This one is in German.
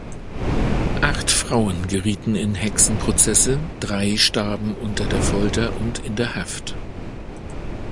Acht Frauen gerieten in Hexenprozesse, drei starben unter der Folter und in der Haft.